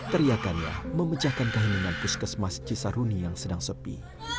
teriakannya memecahkan keheningan puskesmas cisaruni yang sedang sepi